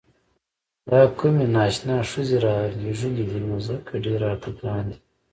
دا کومې نا اشنا ښځې رالېږلي دي نو ځکه ډېر راته ګران دي.